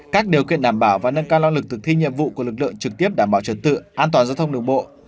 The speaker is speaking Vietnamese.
các điều kiện đảm bảo và nâng cao năng lực thực thi nhiệm vụ của lực lượng trực tiếp đảm bảo trật tự an toàn giao thông đường bộ